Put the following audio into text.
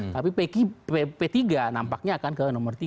tapi p tiga nampaknya akan ke nomor tiga